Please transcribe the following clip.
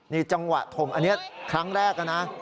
นี่จังหวะถมอันนี้ครั้งแรกนะ